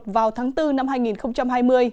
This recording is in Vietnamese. vào tháng bốn năm hai nghìn hai mươi